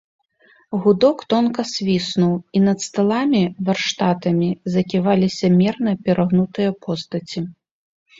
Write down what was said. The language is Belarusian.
Гудок тонка свіснуў, і над сталамі, варштатамі заківаліся мерна перагнутыя постаці.